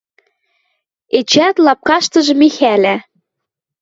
Эчеӓт лапкаштыжы Михӓлӓ